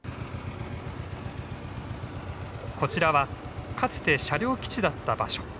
こちらはかつて車両基地だった場所。